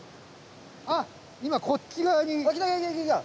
あっ今こっち側に。